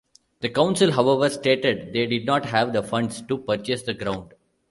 The Council, however, stated they did not have the funds to purchase the ground.